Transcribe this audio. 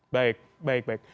baik baik baik